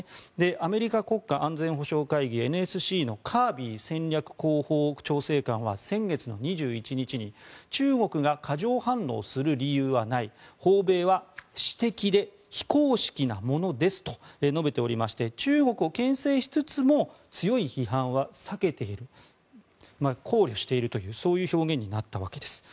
アメリカ国家安全保障会議・ＮＳＣのカービー戦略広報調整官は先月の２１日に中国が過剰反応する理由はない訪米は私的で非公式なものですと述べておりまして中国をけん制しつつも強い批判は避けている考慮しているというそういう表現になったわけです。